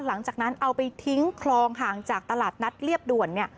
หลังจากนั้นเอาไปทิ้งคลองห่างจากตลาดนัดเรียบด่วน